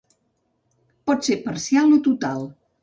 Pot ser parcial o total.